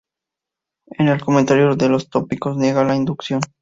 En el comentario a los Tópicos niega la inducción.